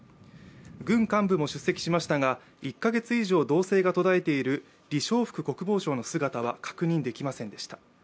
軍幹部も出席しましたが、１か月以上、動静が途絶えている李尚福国防相の姿は確認できませんでした。